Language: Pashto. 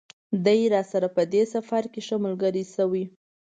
دی راسره په دې سفر کې ښه ملګری شوی.